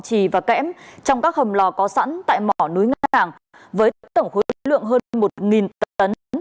trì và kẽm trong các hầm lò có sẵn tại mỏ núi ngàng với tổng khối lượng hơn một tấn